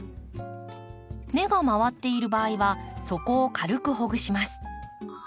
根が回っている場合は底を軽くほぐします。